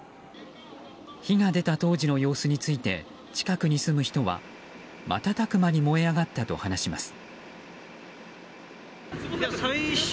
火が出た当時の様子について近くに住む人は瞬く間に燃え上がったと話します。